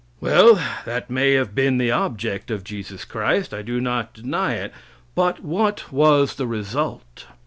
Well, that may have been the object of Jesus Christ. I do not deny it. But what was the result?